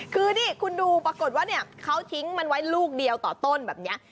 คือนี่คุณดูปรากฏว่าเนี่ยเขาทิ้งมันไว้ลูกเดียวต่อต้นแบบนี้